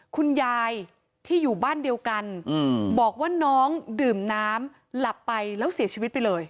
คุณยายที่อยู่บ้านเดียวกันบอกว่าน้องดื่มน้ำหลับไปแล้วเสียชีวิตไปเลย